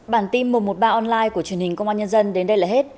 bản tin một trăm một mươi ba online của truyền hình công an nhân dân đến đây là hết